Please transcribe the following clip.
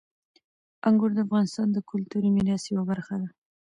انګور د افغانستان د کلتوري میراث یوه برخه ده.